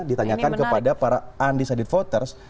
ditanyakan kepada para undecided voters